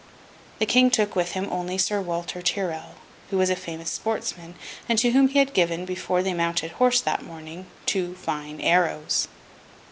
The King took with him only Sir Walter Tyrrel, who was a famous sportsman, and to whom he had given, before they mounted horse that morning, two fine arrows.